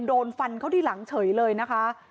โดนฟันเข้าที่หลังเฉยเลยนะคะ